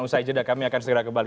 usai jeda kami akan segera kembali